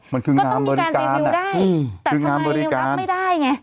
ก็ต้องมีการไปวิวได้แต่ทำไมรับไม่ได้ไง